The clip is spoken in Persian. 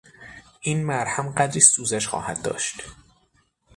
این مرهم قدری سوزش خواهد داشت.